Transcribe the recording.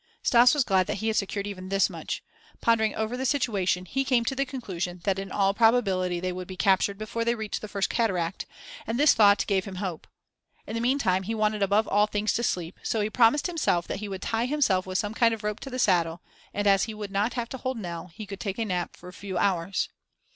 Stas was glad that he had secured even this much. Pondering over the situation, he came to the conclusion that in all probability they would be captured before they reached the first cataract, and this thought gave him hope. In the meantime he wanted above all things to sleep; so he promised himself that he would tie himself with some kind of rope to the saddle, and, as he would not have to hold Nell, he could take a nap for a few hours.